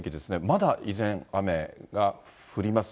まだ依然、雨が降ります。